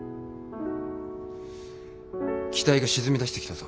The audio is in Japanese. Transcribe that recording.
機体が沈みだしてきたぞ。